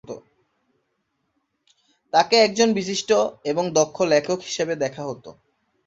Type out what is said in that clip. তাকে একজন বিশিষ্ট এবং দক্ষ লেখক হিসাবে দেখা হত।